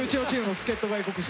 助っと外国人。